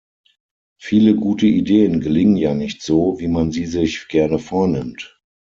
Viele gute Ideen gelingen ja nicht so, wie man sie sich gerne vornimmt.